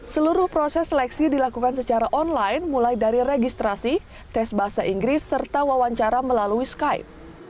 seluruh proses seleksi dilakukan secara online mulai dari registrasi tes bahasa inggris serta wawancara melalui skype